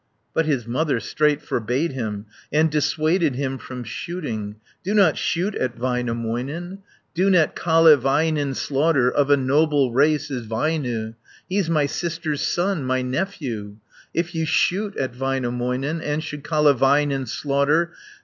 But his mother straight forbade him, And dissuaded him from shooting. "Do not shoot at Väinämöinen, Do not Kalevalainen slaughter. Of a noble race is Väinö; He's my sister's son, my nephew. 120 "If you shoot at Väinämöinen, And should Kalevalainen slaughter.